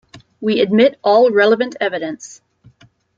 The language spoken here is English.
We admit all relevant evidence.